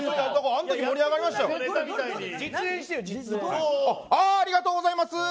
ありがとうございます。